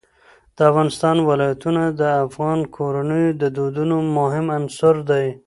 د افغانستان ولايتونه د افغان کورنیو د دودونو مهم عنصر دی.